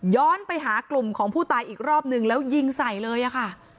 ไปหากลุ่มของผู้ตายอีกรอบนึงแล้วยิงใส่เลยอะค่ะ